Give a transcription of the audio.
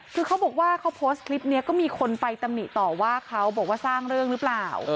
คือเขาบอกว่าเขาโพสต์คลิปนี้ก็มีคนไปตำหนิต่อว่าเขาบอกว่าสร้างเรื่องหรือเปล่า